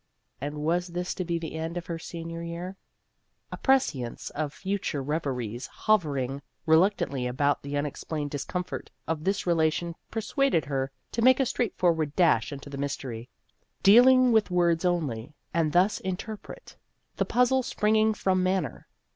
And was this to be the end of her senior year ? A prescience of future reveries hovering reluctantly about the unexplained discomfort of this relation persuaded her to make a straightforward dash into the mystery, dealing with words only, and thus interpret the puzzle springing from manner.